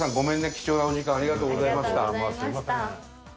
貴重なお時間ありがとうございました。